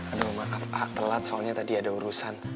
aduh maaf telat soalnya tadi ada urusan